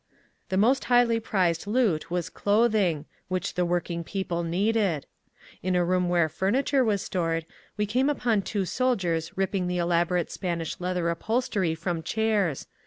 The most highly prized loot was clothing, which the working people needed. In a room where furniture was stored we came upon two soldiers ripping the elaborate Spanish leather upholstery from chairs.